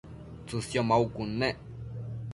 tsësio maucud nec